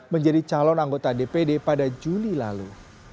menjadi calon anggota dpd pada juli lalu